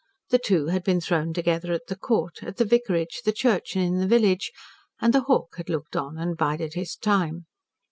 The two had been thrown together at the Court, at the vicarage, the church and in the village, and the hawk had looked on and bided his time.